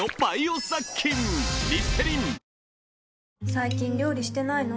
最近料理してないの？